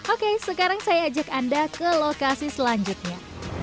oke sekarang saya ajak anda ke lokasi selanjutnya